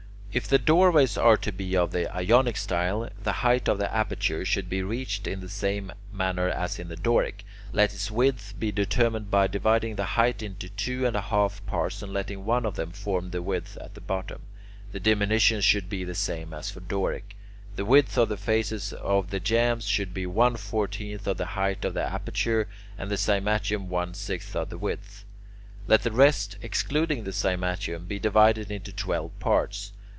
If the doorways are to be of the Ionic style, the height of the aperture should be reached in the same manner as in the Doric. Let its width be determined by dividing the height into two and one half parts and letting one of them form the width at the bottom. The diminutions should be the same as for Doric. The width of the faces of the jambs should be one fourteenth of the height of the aperture, and the cymatium one sixth of the width. Let the rest, excluding the cymatium, be divided into twelve parts.